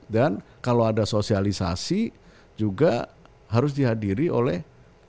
dan kalau ada sosialisasi juga harus dihadiri oleh